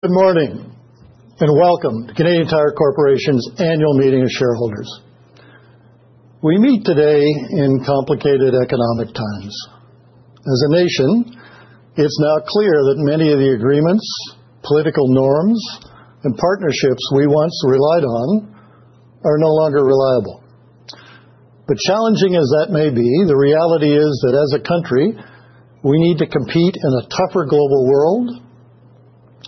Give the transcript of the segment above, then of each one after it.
Good morning and welcome to Canadian Tire Corporation's annual meeting of shareholders. We meet today in complicated economic times. As a nation, it is now clear that many of the agreements, political norms, and partnerships we once relied on are no longer reliable. Challenging as that may be, the reality is that as a country, we need to compete in a tougher global world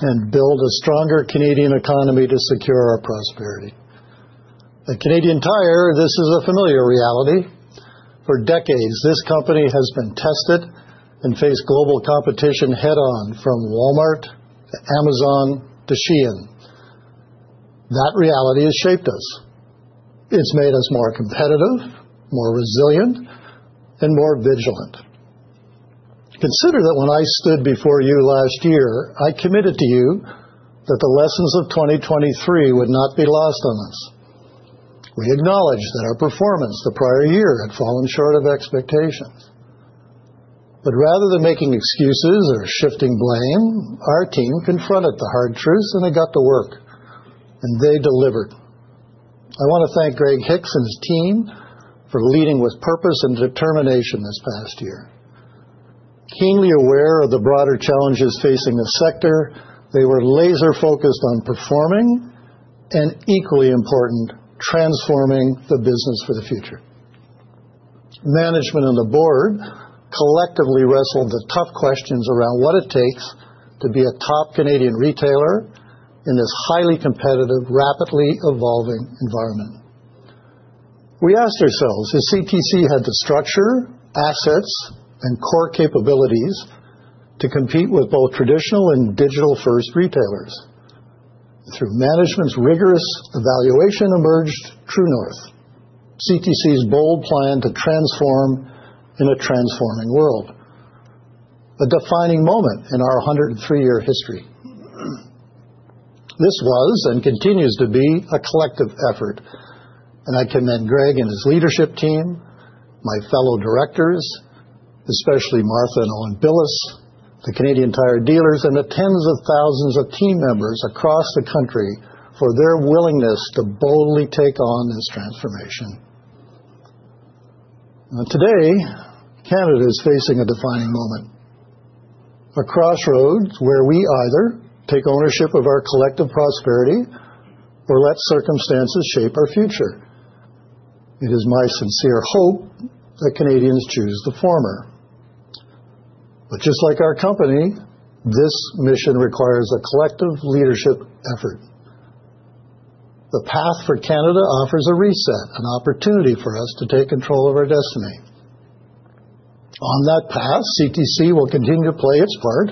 and build a stronger Canadian economy to secure our prosperity. At Canadian Tire, this is a familiar reality. For decades, this company has been tested and faced global competition head-on, from Walmart to Amazon to Shein. That reality has shaped us. It has made us more competitive, more resilient, and more vigilant. Consider that when I stood before you last year, I committed to you that the lessons of 2023 would not be lost on us. We acknowledged that our performance the prior year had fallen short of expectations. Rather than making excuses or shifting blame, our team confronted the hard truths and they got to work, and they delivered. I want to thank Greg Hicks and his team for leading with purpose and determination this past year. Keenly aware of the broader challenges facing the sector, they were laser-focused on performing and, equally important, transforming the business for the future. Management and the board collectively wrestled the tough questions around what it takes to be a top Canadian retailer in this highly competitive, rapidly evolving environment. We asked ourselves if CTC had the structure, assets, and core capabilities to compete with both traditional and digital-first retailers. Through management's rigorous evaluation emerged True North, CTC's bold plan to transform in a transforming world, a defining moment in our 103-year history. This was and continues to be a collective effort, and I commend Greg and his leadership team, my fellow directors, especially Martha and Owen Billes, the Canadian Tire dealers, and the tens of thousands of team members across the country for their willingness to boldly take on this transformation. Today, Canada is facing a defining moment, a crossroads where we either take ownership of our collective prosperity or let circumstances shape our future. It is my sincere hope that Canadians choose the former. Just like our company, this mission requires a collective leadership effort. The path for Canada offers a reset, an opportunity for us to take control of our destiny. On that path, CTC will continue to play its part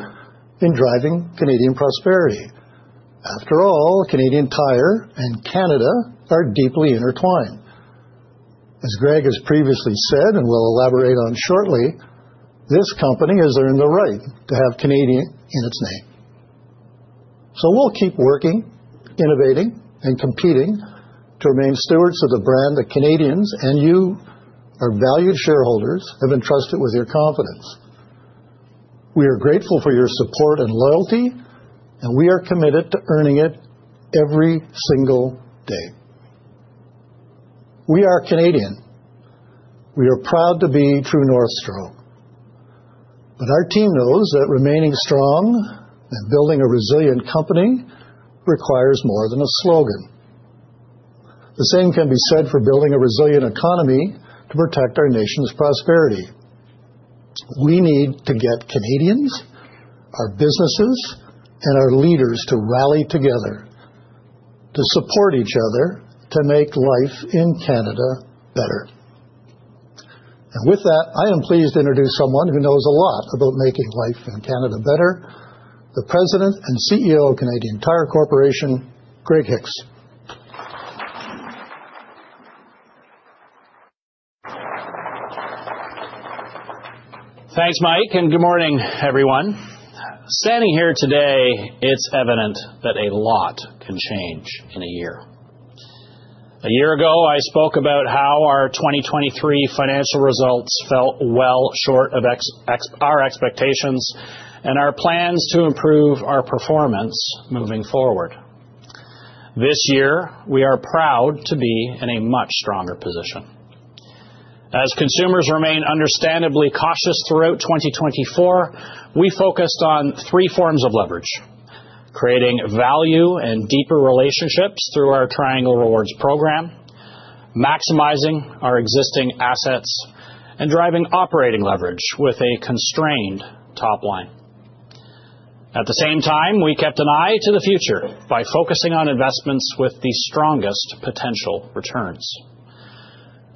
in driving Canadian prosperity. After all, Canadian Tire and Canada are deeply intertwined. As Greg has previously said and will elaborate on shortly, this company has earned the right to have Canadian in its name. We will keep working, innovating, and competing to remain stewards of the brand that Canadians and you, our valued shareholders, have entrusted with your confidence. We are grateful for your support and loyalty, and we are committed to earning it every single day. We are Canadian. We are proud to be True North. Our team knows that remaining strong and building a resilient company requires more than a slogan. The same can be said for building a resilient economy to protect our nation's prosperity. We need to get Canadians, our businesses, and our leaders to rally together, to support each other, to make life in Canada better. With that, I am pleased to introduce someone who knows a lot about making life in Canada better, the President and CEO of Canadian Tire Corporation, Greg Hicks. Thanks, Mike, and good morning, everyone. Standing here today, it's evident that a lot can change in a year. A year ago, I spoke about how our 2023 financial results fell well short of our expectations and our plans to improve our performance moving forward. This year, we are proud to be in a much stronger position. As consumers remain understandably cautious throughout 2024, we focused on three forms of leverage: creating value and deeper relationships through our Triangle Rewards program, maximizing our existing assets, and driving operating leverage with a constrained top line. At the same time, we kept an eye to the future by focusing on investments with the strongest potential returns.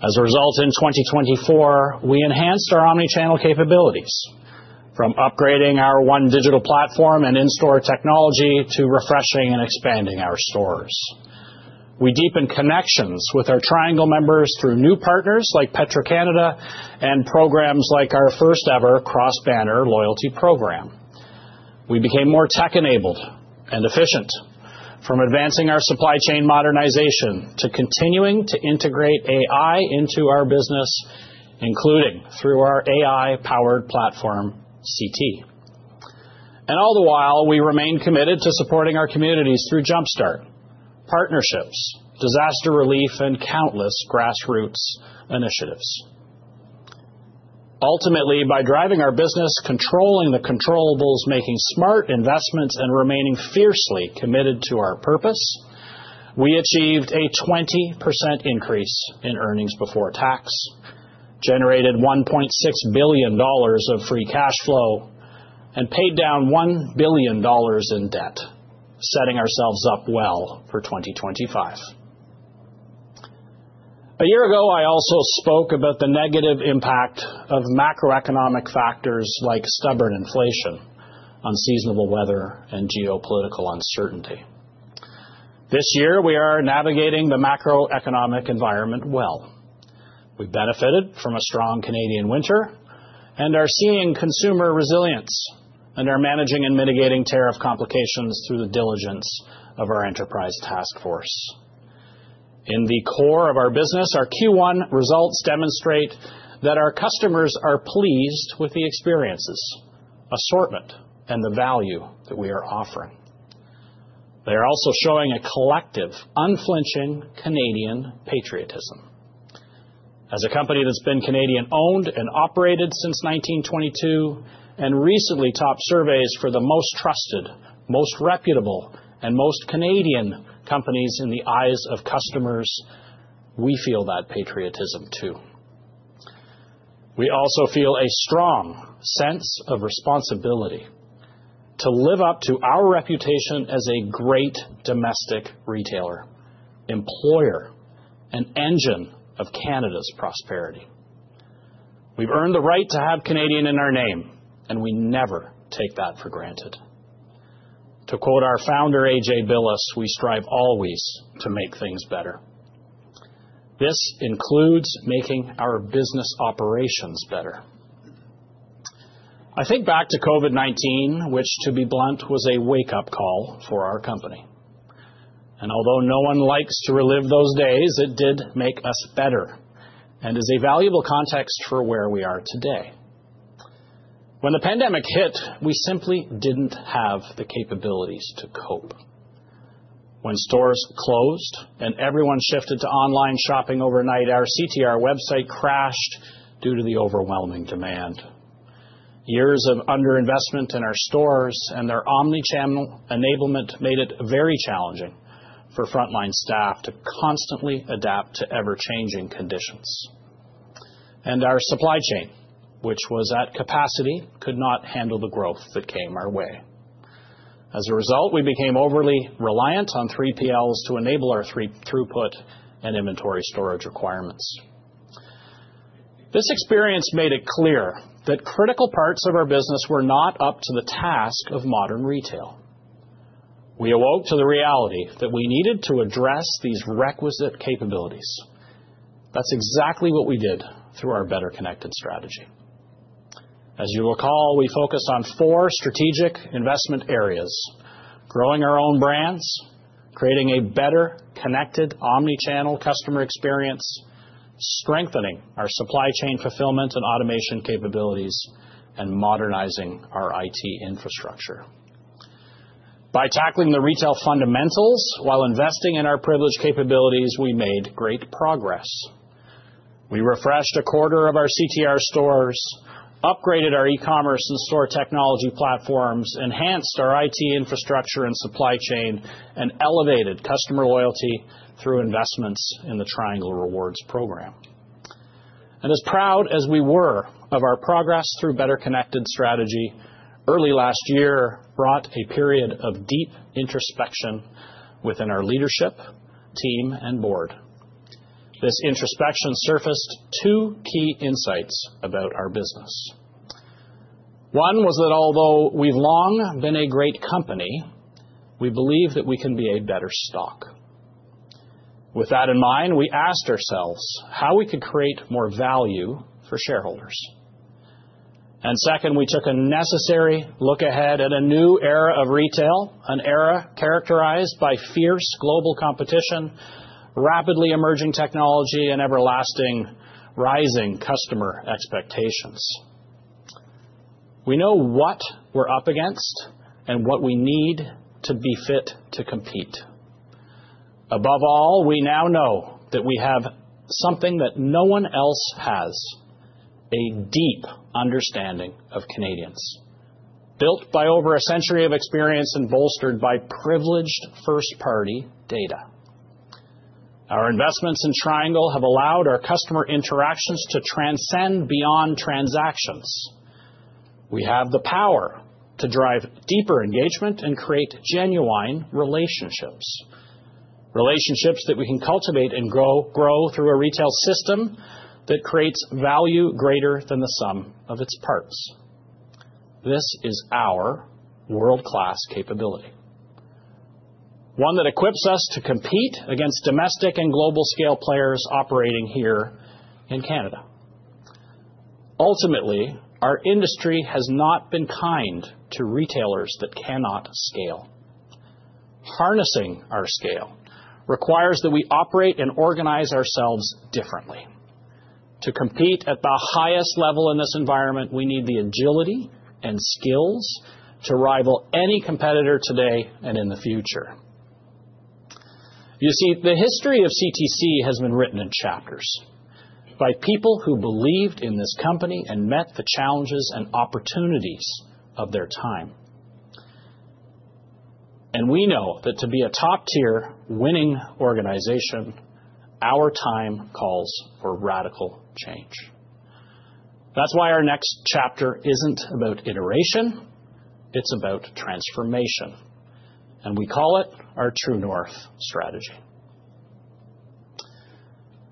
As a result, in 2024, we enhanced our omnichannel capabilities, from upgrading our one digital platform and in-store technology to refreshing and expanding our stores. We deepened connections with our Triangle members through new partners like Petro-Canada and programs like our first-ever cross-banner loyalty program. We became more tech-enabled and efficient, from advancing our supply chain modernization to continuing to integrate AI into our business, including through our AI-powered platform, CT. All the while, we remained committed to supporting our communities through Jumpstart, partnerships, disaster relief, and countless grassroots initiatives. Ultimately, by driving our business, controlling the controllable, making smart investments, and remaining fiercely committed to our purpose, we achieved a 20% increase in earnings before tax, generated 1.6 billion dollars of free cash flow, and paid down 1 billion dollars in debt, setting ourselves up well for 2025. A year ago, I also spoke about the negative impact of macroeconomic factors like stubborn inflation, unseasonable weather, and geopolitical uncertainty. This year, we are navigating the macroeconomic environment well. We benefited from a strong Canadian winter and are seeing consumer resilience and are managing and mitigating tariff complications through the diligence of our enterprise task force. In the core of our business, our Q1 results demonstrate that our customers are pleased with the experiences, assortment, and the value that we are offering. They are also showing a collective, unflinching Canadian patriotism. As a company that's been Canadian-owned and operated since 1922 and recently topped surveys for the most trusted, most reputable, and most Canadian companies in the eyes of customers, we feel that patriotism too. We also feel a strong sense of responsibility to live up to our reputation as a great domestic retailer, employer, and engine of Canada's prosperity. We've earned the right to have Canadian in our name, and we never take that for granted. To quote our founder, A.J. Billes, "We strive always to make things better." This includes making our business operations better. I think back to COVID-19, which, to be blunt, was a wake-up call for our company. Although no one likes to relive those days, it did make us better and is a valuable context for where we are today. When the pandemic hit, we simply did not have the capabilities to cope. When stores closed and everyone shifted to online shopping overnight, our CTR website crashed due to the overwhelming demand. Years of underinvestment in our stores and their omnichannel enablement made it very challenging for frontline staff to constantly adapt to ever-changing conditions. Our supply chain, which was at capacity, could not handle the growth that came our way. As a result, we became overly reliant on 3PLs to enable our throughput and inventory storage requirements. This experience made it clear that critical parts of our business were not up to the task of modern retail. We awoke to the reality that we needed to address these requisite capabilities. That's exactly what we did through our Better Connected strategy. As you'll recall, we focused on four strategic investment areas: growing our own brands, creating a better connected omnichannel customer experience, strengthening our supply chain fulfillment and automation capabilities, and modernizing our IT infrastructure. By tackling the retail fundamentals while investing in our privileged capabilities, we made great progress. We refreshed a quarter of our CTR stores, upgraded our e-commerce and store technology platforms, enhanced our IT infrastructure and supply chain, and elevated customer loyalty through investments in the Triangle Rewards program. As proud as we were of our progress through Better Connected strategy, early last year brought a period of deep introspection within our leadership, team, and board. This introspection surfaced two key insights about our business. One was that although we've long been a great company, we believe that we can be a better stock. With that in mind, we asked ourselves how we could create more value for shareholders. Second, we took a necessary look ahead at a new era of retail, an era characterized by fierce global competition, rapidly emerging technology, and everlasting rising customer expectations. We know what we're up against and what we need to be fit to compete. Above all, we now know that we have something that no one else has: a deep understanding of Canadians, built by over a century of experience and bolstered by privileged first-party data. Our investments in Triangle have allowed our customer interactions to transcend beyond transactions. We have the power to drive deeper engagement and create genuine relationships, relationships that we can cultivate and grow through a retail system that creates value greater than the sum of its parts. This is our world-class capability, one that equips us to compete against domestic and global-scale players operating here in Canada. Ultimately, our industry has not been kind to retailers that cannot scale. Harnessing our scale requires that we operate and organize ourselves differently. To compete at the highest level in this environment, we need the agility and skills to rival any competitor today and in the future. You see, the history of CTC has been written in chapters by people who believed in this company and met the challenges and opportunities of their time. We know that to be a top-tier, winning organization, our time calls for radical change. That is why our next chapter is not about iteration; it is about transformation. We call it our True North strategy.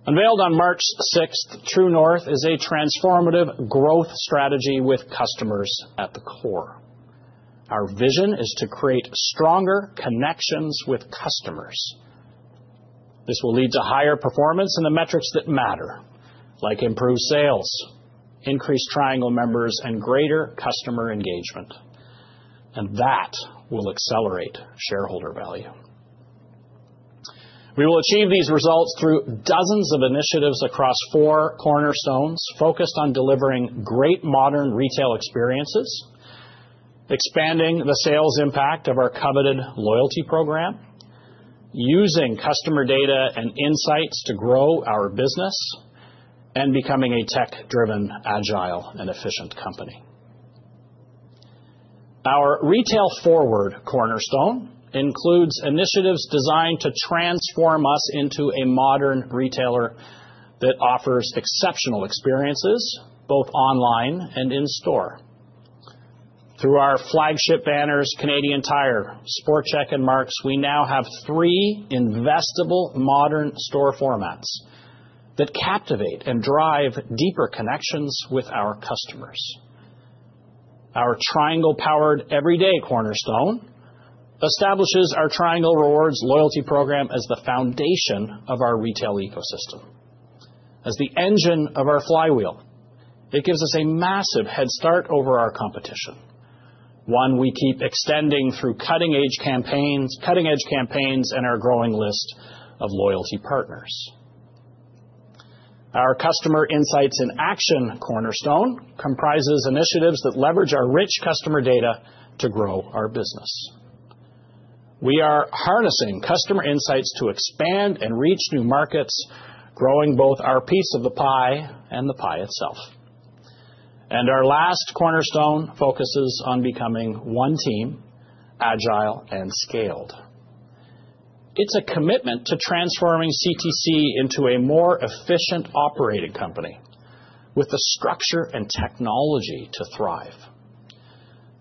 Unveiled on March 6th, True North is a transformative growth strategy with customers at the core. Our vision is to create stronger connections with customers. This will lead to higher performance in the metrics that matter, like improved sales, increased Triangle members, and greater customer engagement. That will accelerate shareholder value. We will achieve these results through dozens of initiatives across four cornerstones focused on delivering great modern retail experiences, expanding the sales impact of our coveted loyalty program, using customer data and insights to grow our business, and becoming a tech-driven, agile, and efficient company. Our Retail Forward cornerstone includes initiatives designed to transform us into a modern retailer that offers exceptional experiences both online and in-store. Through our flagship banners, Canadian Tire, Sport Chek, and Mark's, we now have three investable modern store formats that captivate and drive deeper connections with our customers. Our Triangle-powered everyday cornerstone establishes our Triangle Rewards loyalty program as the foundation of our retail ecosystem. As the engine of our flywheel, it gives us a massive head start over our competition, one we keep extending through cutting-edge campaigns and our growing list of loyalty partners. Our Customer Insights in Action cornerstone comprises initiatives that leverage our rich customer data to grow our business. We are harnessing customer insights to expand and reach new markets, growing both our piece of the pie and the pie itself. Our last cornerstone focuses on becoming one team, agile, and scaled. It's a commitment to transforming CTC into a more efficient operating company with the structure and technology to thrive.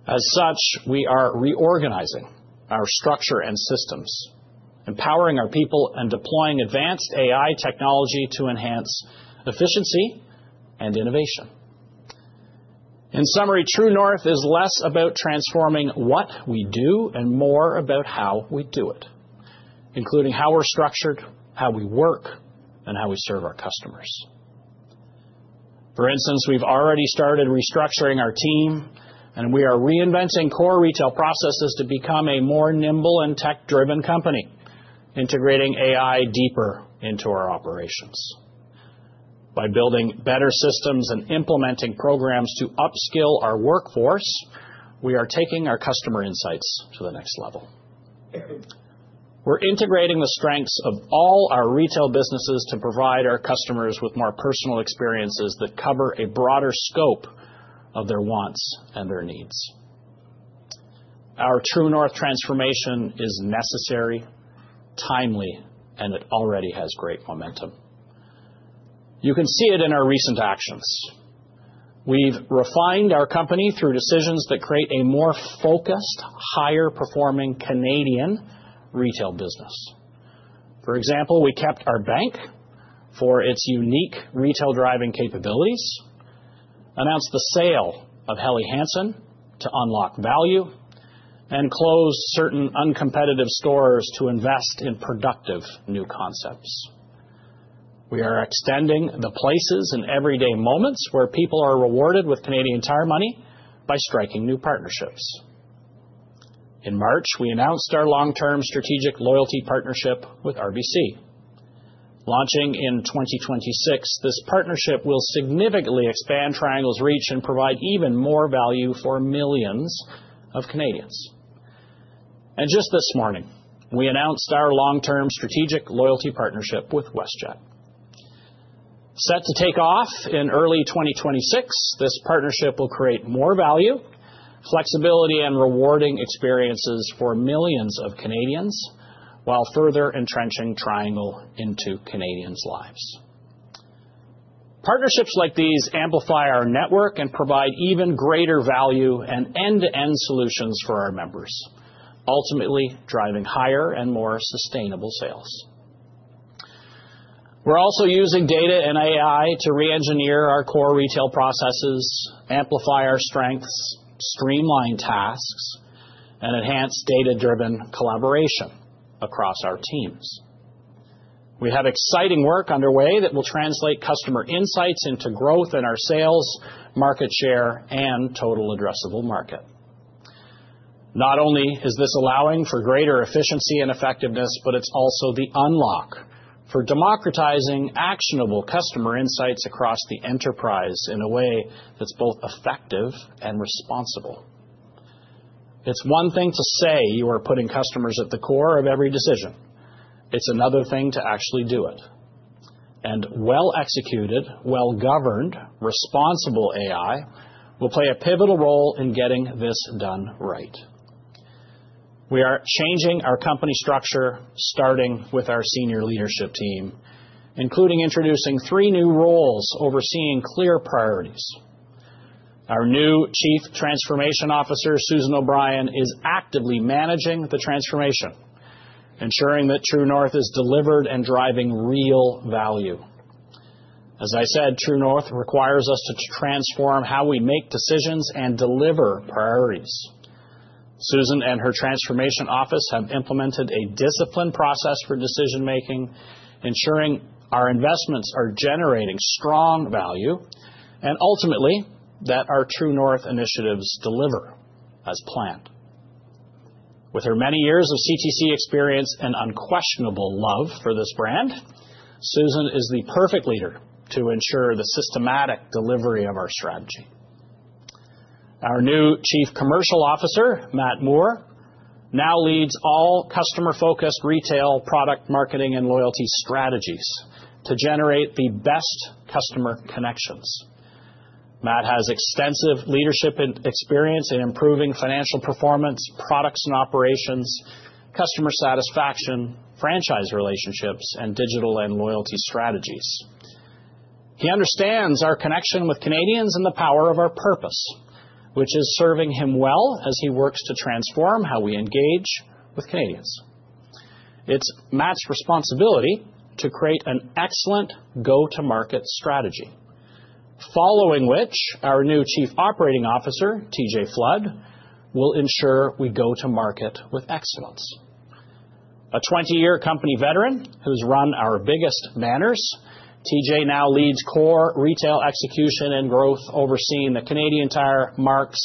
As such, we are reorganizing our structure and systems, empowering our people, and deploying advanced AI technology to enhance efficiency and innovation. In summary, True North is less about transforming what we do and more about how we do it, including how we're structured, how we work, and how we serve our customers. For instance, we've already started restructuring our team, and we are reinventing core retail processes to become a more nimble and tech-driven company, integrating AI deeper into our operations. By building better systems and implementing programs to upskill our workforce, we are taking our customer insights to the next level. We're integrating the strengths of all our retail businesses to provide our customers with more personal experiences that cover a broader scope of their wants and their needs. Our True North transformation is necessary, timely, and it already has great momentum. You can see it in our recent actions. We've refined our company through decisions that create a more focused, higher-performing Canadian retail business. For example, we kept our bank for its unique retail-driving capabilities, announced the sale of Helly Hansen to unlock value, and closed certain uncompetitive stores to invest in productive new concepts. We are extending the places and everyday moments where people are rewarded with Canadian Tire Money by striking new partnerships. In March, we announced our long-term strategic loyalty partnership with RBC. Launching in 2026, this partnership will significantly expand Triangle's reach and provide even more value for millions of Canadians. Just this morning, we announced our long-term strategic loyalty partnership with WestJet. Set to take off in early 2026, this partnership will create more value, flexibility, and rewarding experiences for millions of Canadians while further entrenching Triangle into Canadians' lives. Partnerships like these amplify our network and provide even greater value and end-to-end solutions for our members, ultimately driving higher and more sustainable sales. We're also using data and AI to re-engineer our core retail processes, amplify our strengths, streamline tasks, and enhance data-driven collaboration across our teams. We have exciting work underway that will translate customer insights into growth in our sales, market share, and total addressable market. Not only is this allowing for greater efficiency and effectiveness, but it's also the unlock for democratizing actionable customer insights across the enterprise in a way that's both effective and responsible. It's one thing to say you are putting customers at the core of every decision. It's another thing to actually do it. Well-executed, well-governed, responsible AI will play a pivotal role in getting this done right. We are changing our company structure, starting with our senior leadership team, including introducing three new roles overseeing clear priorities. Our new Chief Transformation Officer, Susan O'Brien, is actively managing the transformation, ensuring that True North is delivered and driving real value. As I said, True North requires us to transform how we make decisions and deliver priorities. Susan and her transformation office have implemented a discipline process for decision-making, ensuring our investments are generating strong value and ultimately that our True North initiatives deliver as planned. With her many years of CTC experience and unquestionable love for this brand, Susan is the perfect leader to ensure the systematic delivery of our strategy. Our new Chief Commercial Officer, Matt Moore, now leads all customer-focused retail product marketing and loyalty strategies to generate the best customer connections. Matt has extensive leadership experience in improving financial performance, products and operations, customer satisfaction, franchise relationships, and digital and loyalty strategies. He understands our connection with Canadians and the power of our purpose, which is serving him well as he works to transform how we engage with Canadians. It is Matt's responsibility to create an excellent go-to-market strategy, following which our new Chief Operating Officer, TJ Flood, will ensure we go to market with excellence. A 20-year company veteran who has run our biggest banners, TJ now leads core retail execution and growth, overseeing the Canadian Tire, Mark's,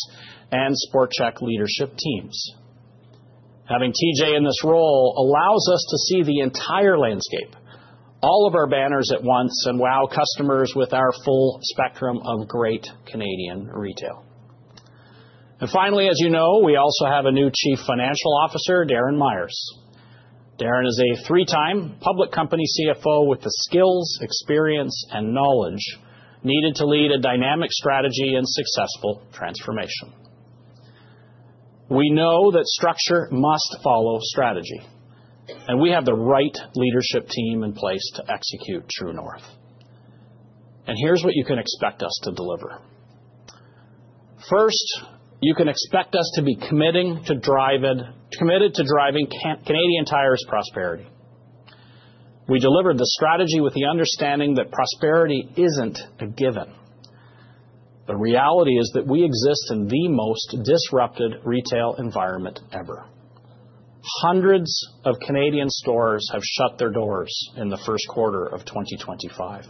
and Sport Chek leadership teams. Having TJ in this role allows us to see the entire landscape, all of our banners at once, and wow customers with our full spectrum of great Canadian retail. Finally, as you know, we also have a new Chief Financial Officer, Darren Myers. Darren is a three-time public company CFO with the skills, experience, and knowledge needed to lead a dynamic strategy and successful transformation. We know that structure must follow strategy, and we have the right leadership team in place to execute True North. Here is what you can expect us to deliver. First, you can expect us to be committed to driving Canadian Tire's prosperity. We delivered the strategy with the understanding that prosperity is not a given. The reality is that we exist in the most disrupted retail environment ever. Hundreds of Canadian stores have shut their doors in the first quarter of 2025,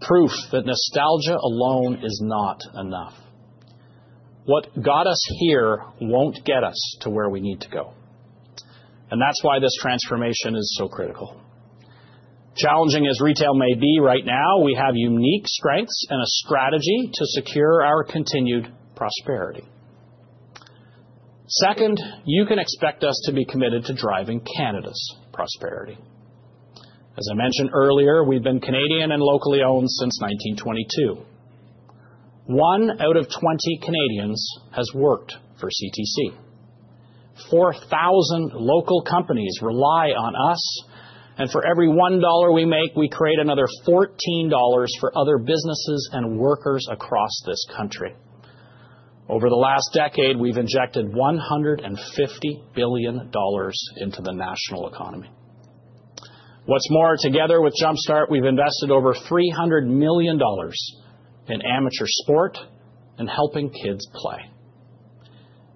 proof that nostalgia alone is not enough. What got us here won't get us to where we need to go. That is why this transformation is so critical. Challenging as retail may be right now, we have unique strengths and a strategy to secure our continued prosperity. Second, you can expect us to be committed to driving Canada's prosperity. As I mentioned earlier, we've been Canadian and locally owned since 1922. One out of 20 Canadians has worked for CTC. 4,000 local companies rely on us, and for every 1 dollar we make, we create another 14 dollars for other businesses and workers across this country. Over the last decade, we've injected 150 billion dollars into the national economy. What's more, together with Jumpstart, we've invested over 300 million dollars in amateur sport and helping kids play.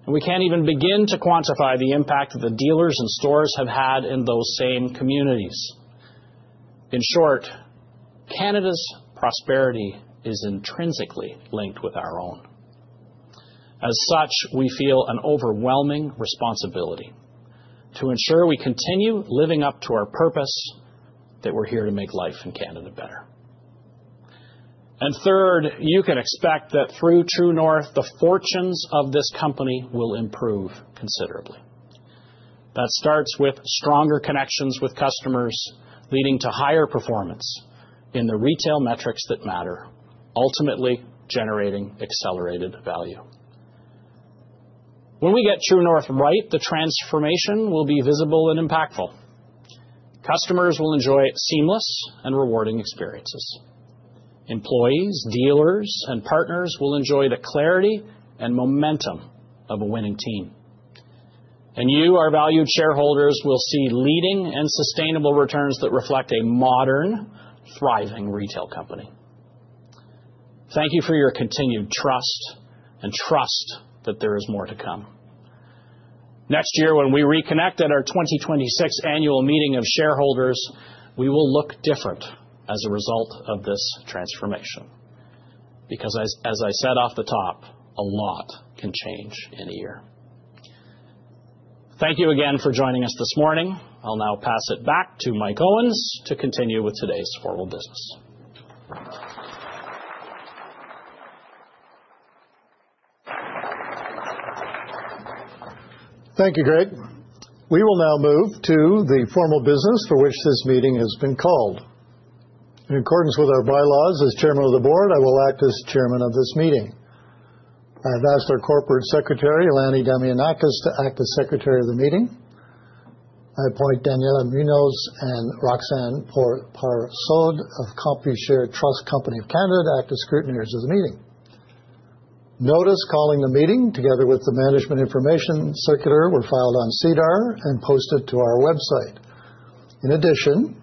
We can't even begin to quantify the impact that the dealers and stores have had in those same communities. In short, Canada's prosperity is intrinsically linked with our own. As such, we feel an overwhelming responsibility to ensure we continue living up to our purpose, that we're here to make life in Canada better. Third, you can expect that through True North, the fortunes of this company will improve considerably. That starts with stronger connections with customers, leading to higher performance in the retail metrics that matter, ultimately generating accelerated value. When we get True North right, the transformation will be visible and impactful. Customers will enjoy seamless and rewarding experiences. Employees, dealers, and partners will enjoy the clarity and momentum of a winning team. You, our valued shareholders, will see leading and sustainable returns that reflect a modern, thriving retail company. Thank you for your continued trust and trust that there is more to come. Next year, when we reconnect at our 2026 annual meeting of shareholders, we will look different as a result of this transformation. Because, as I said off the top, a lot can change in a year. Thank you again for joining us this morning. I'll now pass it back to Mike Owens to continue with today's formal business. Thank you, Greg. We will now move to the formal business for which this meeting has been called. In accordance with our bylaws, as Chairman of the Board, I will act as Chairman of this meeting. I have asked our Corporate Secretary, Eleni Damianakis, to act as Secretary of the Meeting. I appoint Daniela Munoz and Roxanne Pourpare-Saud of Computershare Trust Company of Canada to act as Scrutineers of the Meeting. Notice calling the meeting, together with the management information circular, were filed on SEDAR and posted to our website. In addition,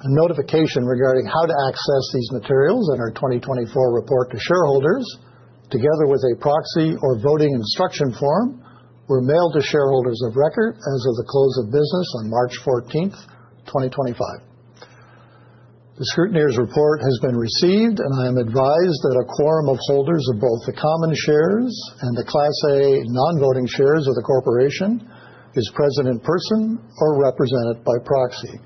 a notification regarding how to access these materials and our 2024 report to shareholders, together with a proxy or voting instruction form, were mailed to shareholders of record as of the close of business on March 14th, 2025. The Scrutineers' report has been received, and I am advised that a quorum of holders of both the common shares and the Class A non-voting shares of the corporation is present in person or represented by proxy.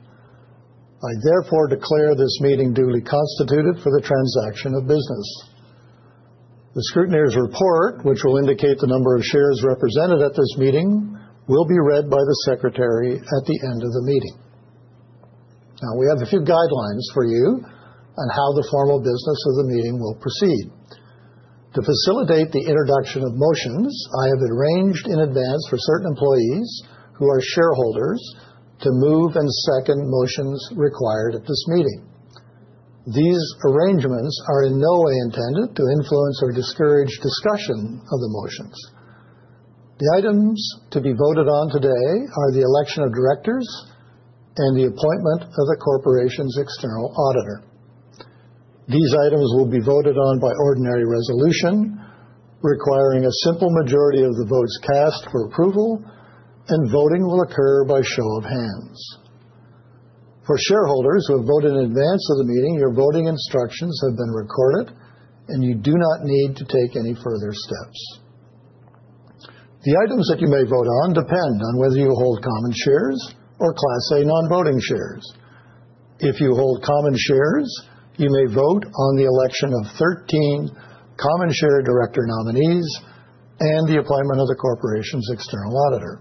I therefore declare this meeting duly constituted for the transaction of business. The Scrutineers' report, which will indicate the number of shares represented at this meeting, will be read by the Secretary at the end of the meeting. Now, we have a few guidelines for you on how the formal business of the meeting will proceed. To facilitate the introduction of motions, I have arranged in advance for certain employees who are shareholders to move and second motions required at this meeting. These arrangements are in no way intended to influence or discourage discussion of the motions. The items to be voted on today are the election of directors and the appointment of the corporation's external auditor. These items will be voted on by ordinary resolution, requiring a simple majority of the votes cast for approval, and voting will occur by show of hands. For shareholders who have voted in advance of the meeting, your voting instructions have been recorded, and you do not need to take any further steps. The items that you may vote on depend on whether you hold common shares or Class A non-voting shares. If you hold common shares, you may vote on the election of 13 common share director nominees and the appointment of the corporation's external auditor.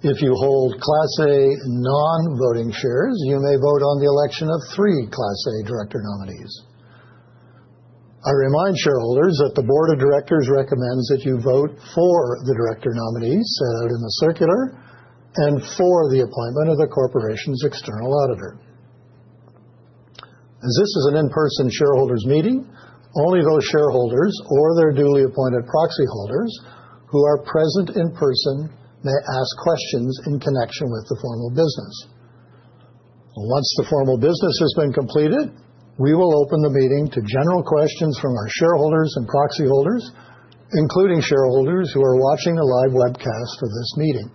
If you hold Class A non-voting shares, you may vote on the election of three Class A director nominees. I remind shareholders that the Board of Directors recommends that you vote for the director nominees set out in the circular and for the appointment of the corporation's external auditor. As this is an in-person shareholders meeting, only those shareholders or their duly appointed proxy holders who are present in person may ask questions in connection with the formal business. Once the formal business has been completed, we will open the meeting to general questions from our shareholders and proxy holders, including shareholders who are watching the live webcast of this meeting.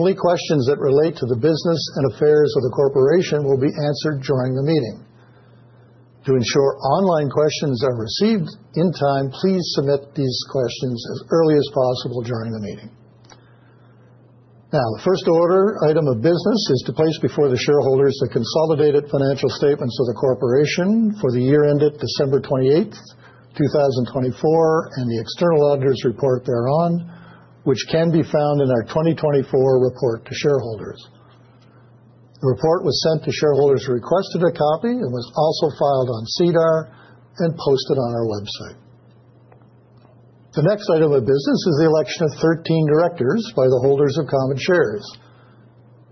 Only questions that relate to the business and affairs of the corporation will be answered during the meeting. To ensure online questions are received in time, please submit these questions as early as possible during the meeting. Now, the first order item of business is to place before the shareholders the consolidated financial statements of the corporation for the year ended December 28th, 2024, and the external auditor's report thereon, which can be found in our 2024 report to shareholders. The report was sent to shareholders who requested a copy and was also filed on SEDAR and posted on our website. The next item of business is the election of 13 directors by the holders of common shares.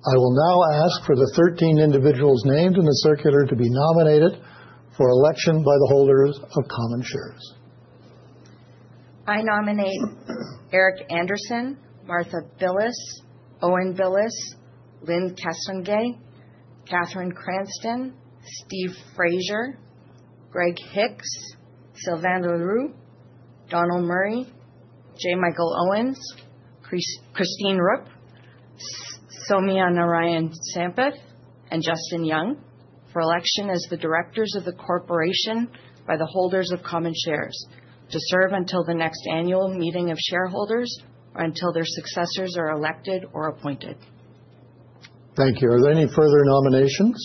I will now ask for the 13 individuals named in the circular to be nominated for election by the holders of common shares. I nominate Eric Anderson, Martha Billes, Owen Billes, Lyne Castonguay, Cathryn Cranston, Steve Frazier, Greg Hicks, Sylvain Leroux, Donald Murray, J. Michael Owens, Christine Rupp, Sowmyanarayan Sampath, and Justin Young for election as the directors of the corporation by the holders of common shares to serve until the next annual meeting of shareholders or until their successors are elected or appointed. Thank you. Are there any further nominations?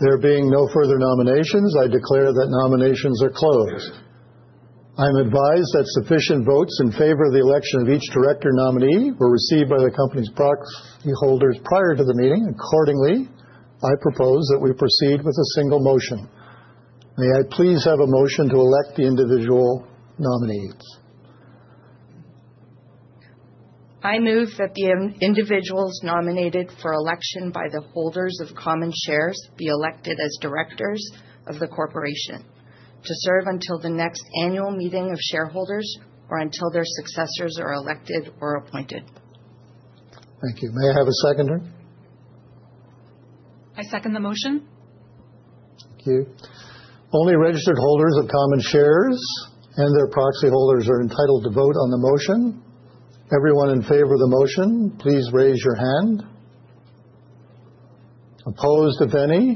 There being no further nominations, I declare that nominations are closed. I'm advised that sufficient votes in favor of the election of each director nominee were received by the company's proxy holders prior to the meeting. Accordingly, I propose that we proceed with a single motion. May I please have a motion to elect the individual nominees? I move that the individuals nominated for election by the holders of common shares be elected as directors of the corporation to serve until the next annual meeting of shareholders or until their successors are elected or appointed. Thank you. May I have a seconder? I second the motion. Thank you. Only registered holders of common shares and their proxy holders are entitled to vote on the motion. Everyone in favor of the motion, please raise your hand. Opposed if any.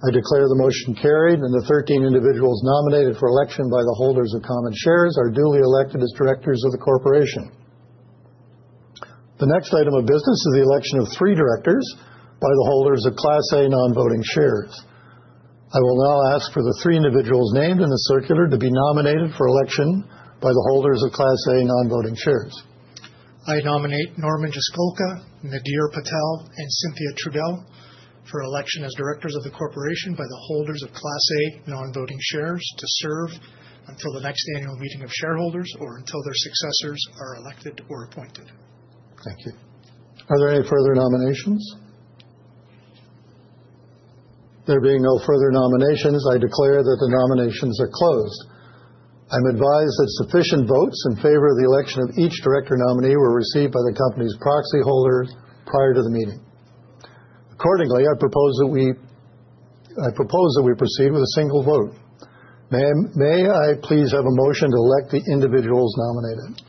I declare the motion carried, and the 13 individuals nominated for election by the holders of common shares are duly elected as directors of the corporation. The next item of business is the election of three directors by the holders of Class A non-voting shares. I will now ask for the three individuals named in the circular to be nominated for election by the holders of Class A non-voting shares. I nominate Norman Jaskolka, Nadir Patel, and Cynthia Trudell for election as directors of the corporation by the holders of Class A non-voting shares to serve until the next annual meeting of shareholders or until their successors are elected or appointed. Thank you. Are there any further nominations? There being no further nominations, I declare that the nominations are closed. I'm advised that sufficient votes in favor of the election of each director nominee were received by the company's proxy holders prior to the meeting. Accordingly, I propose that we proceed with a single vote. May I please have a motion to elect the individuals nominated?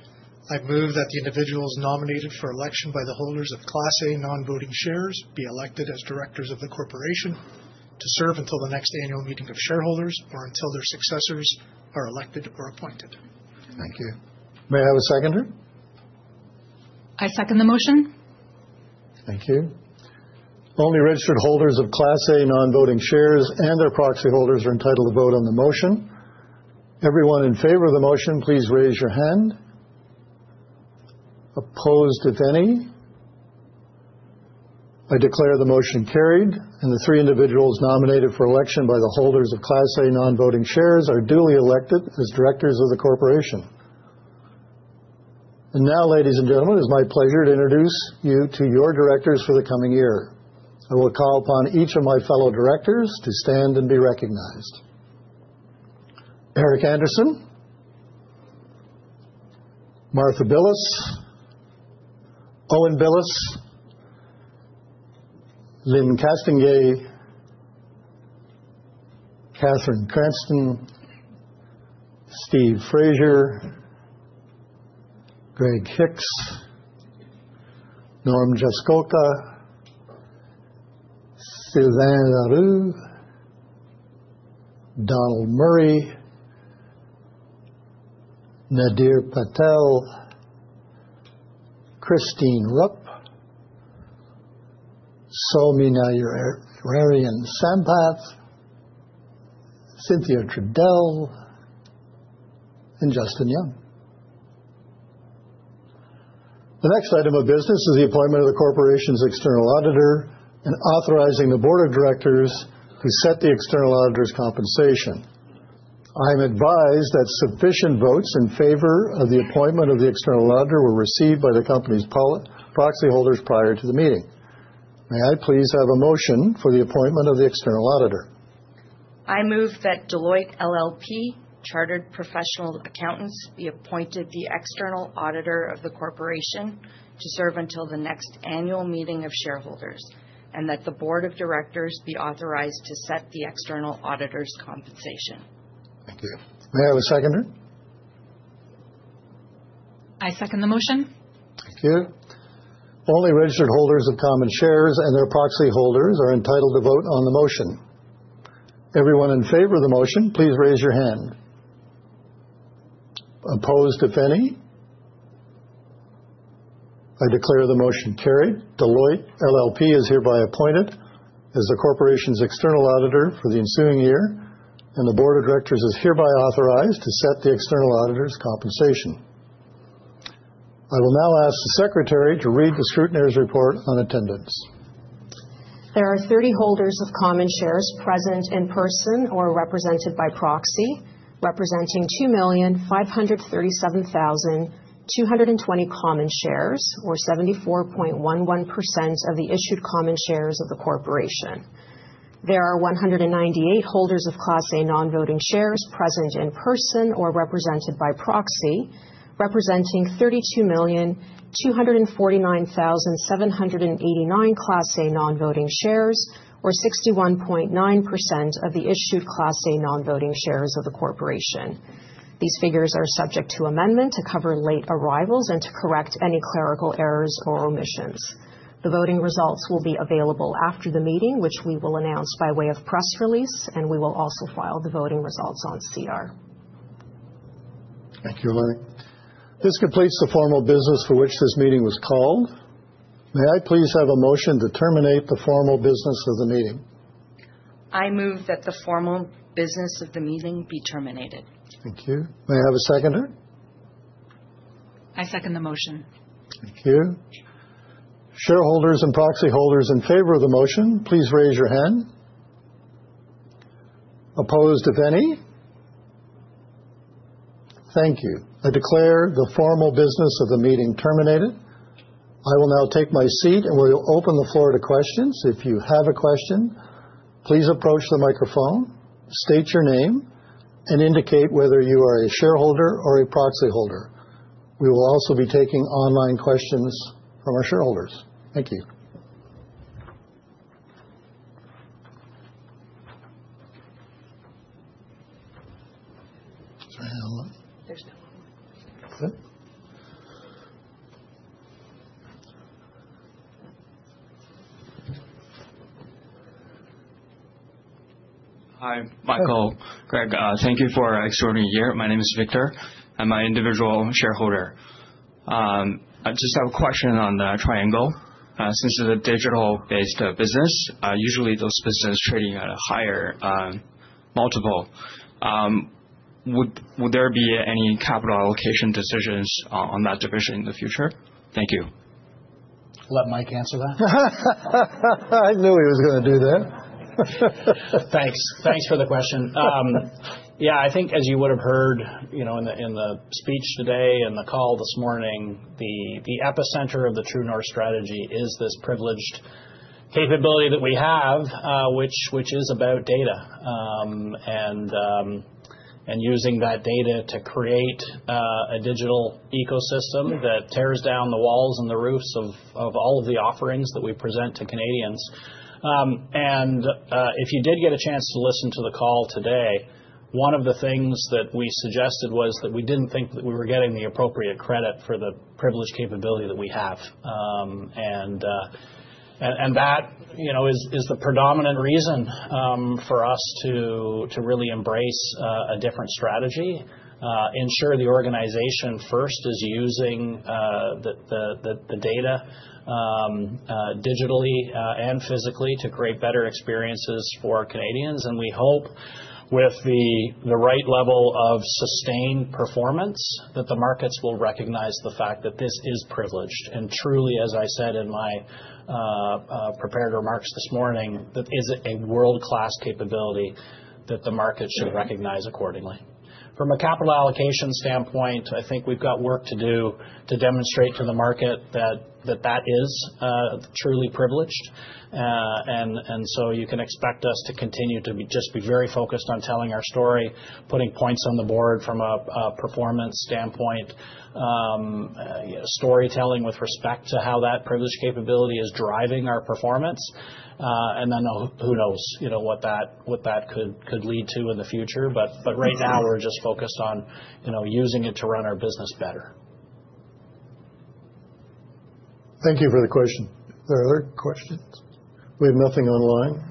I move that the individuals nominated for election by the holders of Class A non-voting shares be elected as directors of the corporation to serve until the next annual meeting of shareholders or until their successors are elected or appointed. Thank you. May I have a seconder? I second the motion. Thank you. Only registered holders of Class A non-voting shares and their proxy holders are entitled to vote on the motion. Everyone in favor of the motion, please raise your hand. Opposed if any. I declare the motion carried, and the three individuals nominated for election by the holders of Class A non-voting shares are duly elected as directors of the corporation. Now, ladies and gentlemen, it is my pleasure to introduce you to your directors for the coming year. I will call upon each of my fellow directors to stand and be recognized. Eric Anderson, Martha Billes, Owen Billes, Lyne Castonguay, Cathryn Cranston, Steve Frazier, Greg Hicks, Norman Jaskolka, Sylvain Leroux, Donald Murray, Nadir Patel, Christine Rupp, Sowmyanarayan Samptha, Cynthia Trudell, and Justin Young. The next item of business is the appointment of the corporation's external auditor and authorizing the Board of Directors to set the external auditor's compensation. I'm advised that sufficient votes in favor of the appointment of the external auditor were received by the company's proxy holders prior to the meeting. May I please have a motion for the appointment of the external auditor? I move that Deloitte LLP Chartered Professional Accountants be appointed the external auditor of the corporation to serve until the next annual meeting of shareholders and that the Board of Directors be authorized to set the external auditor's compensation. Thank you. May I have a seconder? I second the motion. Thank you. Only registered holders of common shares and their proxy holders are entitled to vote on the motion. Everyone in favor of the motion, please raise your hand. Opposed if any. I declare the motion carried. Deloitte LLP is hereby appointed as the corporation's external auditor for the ensuing year, and the Board of Directors is hereby authorized to set the external auditor's compensation. I will now ask the Secretary to read the Scrutineers report on attendance. There are 30 holders of common shares present in person or represented by proxy representing 2,537,220 common shares or 74.11% of the issued common shares of the corporation. There are 198 holders of Class A non-voting shares present in person or represented by proxy representing 32,249,789 Class A non-voting shares or 61.9% of the issued Class A non-voting shares of the corporation. These figures are subject to amendment to cover late arrivals and to correct any clerical errors or omissions. The voting results will be available after the meeting, which we will announce by way of press release, and we will also file the voting results on SEDAR. Thank you, Eleni. This completes the formal business for which this meeting was called. May I please have a motion to terminate the formal business of the meeting? I move that the formal business of the meeting be terminated. Thank you. May I have a seconder? I second the motion. Thank you. Shareholders and proxy holders in favor of the motion, please raise your hand. Opposed if any. Thank you. I declare the formal business of the meeting terminated. I will now take my seat, and we'll open the floor to questions. If you have a question, please approach the microphone, state your name, and indicate whether you are a shareholder or a proxy holder. We will also be taking online questions from our shareholders. Thank you. There's no one. Okay. Hi, Michael, Greg, thank you for extraordinary year. My name is Victor. I'm an individual shareholder. I just have a question on the Triangle. Since it's a digital-based business, usually those businesses trading at a higher multiple. Would there be any capital allocation decisions on that division in the future? Thank you. Let Mike answer that. I knew he was going to do that. Thanks. Thanks for the question. Yeah, I think as you would have heard in the speech today and the call this morning, the epicenter of the True North strategy is this privileged capability that we have, which is about data and using that data to create a digital ecosystem that tears down the walls and the roofs of all of the offerings that we present to Canadians. If you did get a chance to listen to the call today, one of the things that we suggested was that we did not think that we were getting the appropriate credit for the privileged capability that we have. That is the predominant reason for us to really embrace a different strategy, ensure the organization first is using the data digitally and physically to create better experiences for Canadians. We hope with the right level of sustained performance that the markets will recognize the fact that this is privileged. Truly, as I said in my prepared remarks this morning, that is a world-class capability that the market should recognize accordingly. From a capital allocation standpoint, I think we've got work to do to demonstrate to the market that that is truly privileged. You can expect us to continue to just be very focused on telling our story, putting points on the board from a performance standpoint, storytelling with respect to how that privileged capability is driving our performance. Who knows what that could lead to in the future. Right now, we're just focused on using it to run our business better. Thank you for the question. Are there other questions? We have nothing online.